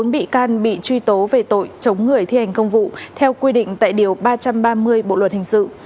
bốn bị can bị truy tố về tội chống người thi hành công vụ theo quy định tại điều ba trăm ba mươi bộ luật hình sự